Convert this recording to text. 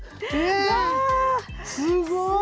すごい！